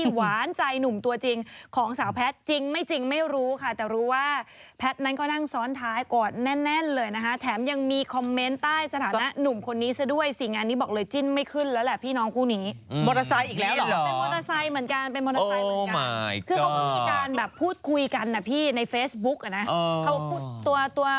คุณแม่คุณแม่คุณแม่คุณแม่คุณแม่คุณแม่คุณแม่คุณแม่คุณแม่คุณแม่คุณแม่คุณแม่คุณแม่คุณแม่คุณแม่คุณแม่คุณแม่คุณแม่คุณแม่คุณแม่คุณแม่คุณแม่คุณแม่คุณแม่คุณแม